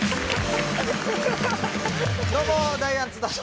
どうもダイアン津田と。